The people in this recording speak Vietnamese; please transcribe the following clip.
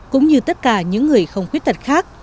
cũng như tất cả những người không khuyết tật khác